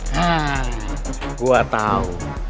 nah gue tau